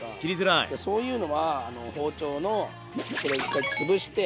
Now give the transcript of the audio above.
そういうのは包丁のここで一回つぶして。